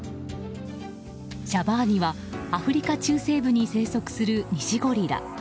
シャバーニはアフリカ中西部に生息するニシゴリラ。